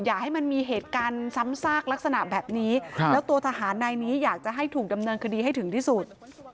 อย่าให้มันมีเหตุการณ์ซ้ำซากลักษณะแบบนี้แล้วตัวทหารนายนี้อยากจะให้ถูกดำเนินคดีให้ถึงที่สุด